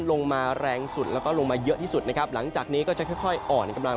ลงมาแรงสุดแล้วก็ลงมาเยอะที่สุดนะครับหลังจากนี้ก็จะค่อยค่อยอ่อนกำลัง